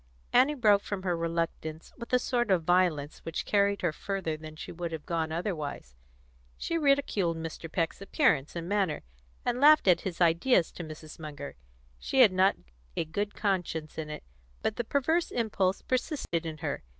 Annie broke from her reluctance with a sort of violence which carried her further than she would have gone otherwise. She ridiculed Mr. Peck's appearance and manner, and laughed at his ideas to Mrs. Munger. She had not a good conscience in it, but the perverse impulse persisted in her.